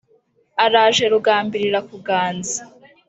Araje Rugambirira kuganza